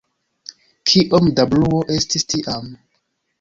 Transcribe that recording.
Kiom da bruo estis tiam..